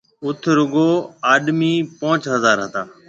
اوٿ رُگو آڏمِي پونچ ھزار ھتا۔